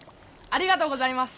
ありがとうございます。